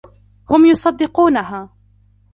هم يصدقونها.